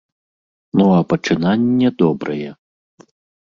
Ну а пачынанне добрае.